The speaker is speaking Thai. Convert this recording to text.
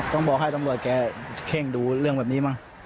ต้องบอกให้ตำรวจแกเข้งดูเรื่องแบบนี้มั้ง